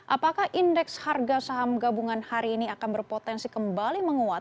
apakah indeks harga saham gabungan hari ini akan berpotensi kembali menguat